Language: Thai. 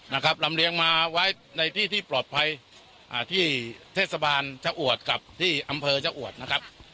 นะครับลำเรียงมาไว้ในที่ที่ปลอดภัยอ่าที่เทศสบานเจ้าอวดกับที่อำเภอเจ้าอวดนะครับ